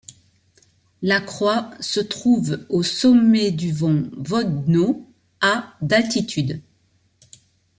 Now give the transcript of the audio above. La croix se trouve au sommet du mont Vodno, à d'altitude.